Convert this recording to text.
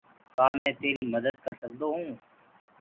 ڪآ مينٚ تيري مدد ڪر سڪدو هونٚ۔